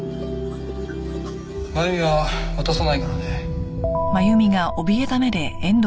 真由美は渡さないからね。